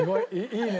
いいね。